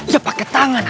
dia pakai tangan